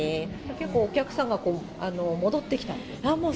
結構、お客さんが戻ってきたっていう？